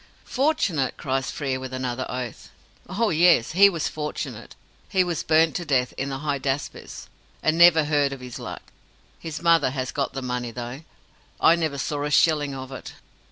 "Fortunate!" cries Frere, with another oath. "Oh yes, he was fortunate! He was burnt to death in the Hydaspes, and never heard of his luck. His mother has got the money, though. I never saw a shilling of it."